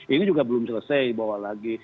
ini juga belum selesai dibawa lagi